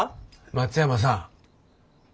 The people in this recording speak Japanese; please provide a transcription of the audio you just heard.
松山さん。